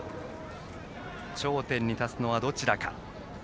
頂点に立つのはどちらか。